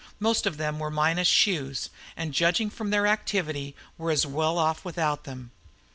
Most of them were minus shoes, and judging from their activity were as well off without them.